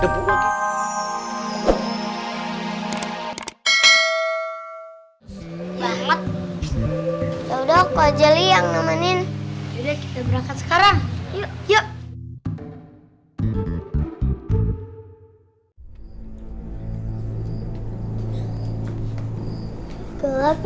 banget ya udah kok jeli yang nemanin kita berangkat sekarang yuk yuk